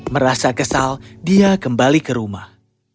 merasa kesal dia kembali ke rumah